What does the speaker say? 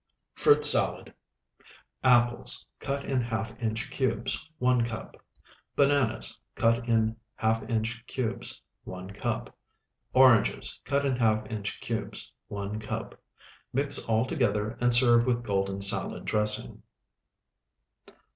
FRUIT SALAD Apples, cut in half inch cubes, 1 cup. Bananas, cut in half inch cubes, 1 cup. Oranges, cut in half inch cubes, 1 cup. Mix all together and serve with golden salad dressing.